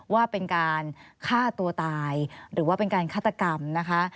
ว่าเป็นการฆ่าตัวตายหรือว่าเป็นการฆาตกรรมนะคะ